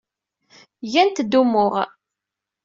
Gant-d umuɣ.